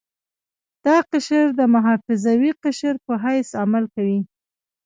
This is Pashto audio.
دا قشر د محافظوي قشر په حیث عمل کوي.